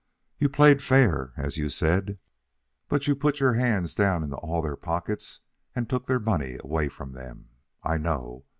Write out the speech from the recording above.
You played fair, as you said, but you put your hands down into all their pockets and took their money away from them. I know.